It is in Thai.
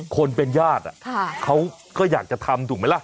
คนเป็นญาติเขาก็อยากจะทำถูกไหมล่ะ